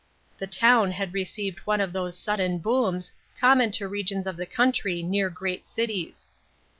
The town had received one of those sudden booms common to regions of country near great cities.